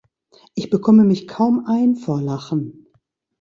Ich bekomme mich kaum ein vor lachen.